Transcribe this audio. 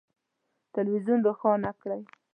تلویزون روښانه کړئ